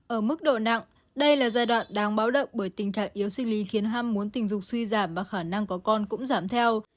ở mức độ nặng đây là giai đoạn đáng báo động bởi tình trạng yếu sinh lý khiến ham muốn tình dục suy giảm và khả năng có con cũng giảm theo